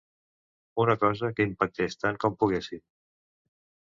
Una cosa que impactés tant com poguéssim.